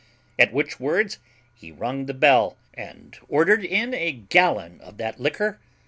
At which words he rung the bell, and ordered in a gallon of that liquor.